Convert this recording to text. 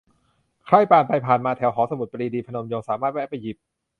ใครผ่านไปผ่านมาแถวหอสมุดปรีดี พนมยงค์ สามารถแวะไปหยิบ